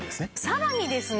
さらにですね